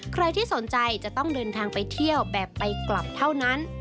ใครที่สนใจจะต้องเดินทางไปเที่ยวแบบไปกลับเท่านั้น